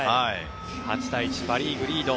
８対１パ・リーグリード。